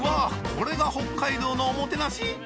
これが北海道のおもてなし？